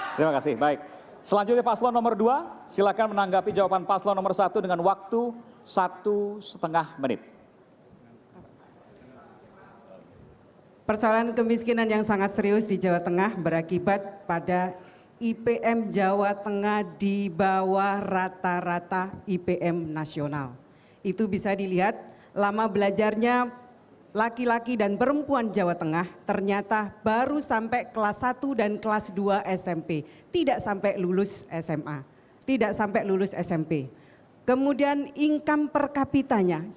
terima kasih baik selanjutnya paslon nomor dua silahkan menanggapi jawaban paslon nomor satu dengan waktu satu setengah menit